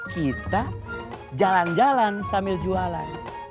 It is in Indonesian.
kita jalan jalan sambil jualan